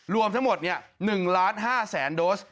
รวมทั้งหมด๑๕๐๐๐โดส